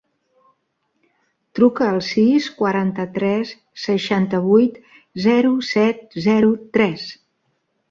Truca al sis, quaranta-tres, seixanta-vuit, zero, set, zero, tres.